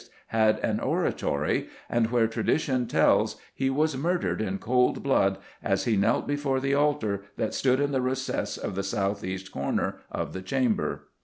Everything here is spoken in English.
had an oratory, and where, tradition tells, he was "murdered in cold blood as he knelt before the altar that stood in the recess of the south east corner" of the chamber.